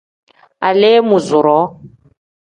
Aleemuuzuroo.